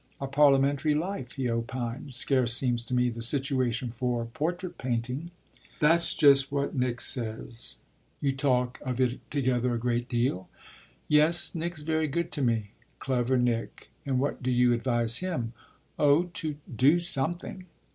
A parliamentary life," he opined, "scarce seems to me the situation for portrait painting." "That's just what Nick says." "You talk of it together a great deal?" "Yes, Nick's very good to me." "Clever Nick! And what do you advise him?" "Oh to do something."